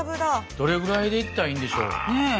どれぐらいでいったらいいんでしょう？